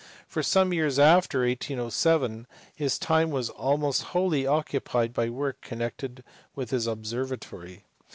For some years after 1807 his time was almost wholly occupied by work connected with his observa tory.